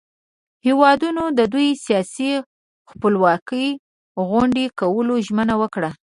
هیوادونو د دوئ سیاسي خپلواکي خوندي کولو ژمنه وکړه.